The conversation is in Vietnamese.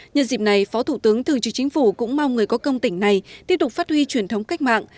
nhân dịp này phó thủ tướng thường trực chính phủ cũng mong người có công tỉnh này tiếp tục phát huy truyền thống cách mạng